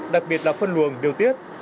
đặc biệt là phân luồng điều tiết